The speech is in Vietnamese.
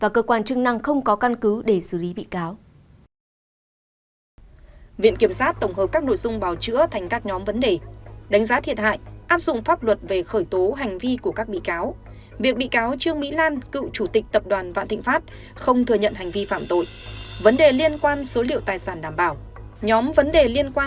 các bạn hãy đăng ký kênh để ủng hộ kênh của chúng mình nhé